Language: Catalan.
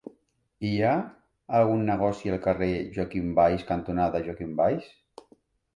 Hi ha algun negoci al carrer Joaquim Valls cantonada Joaquim Valls?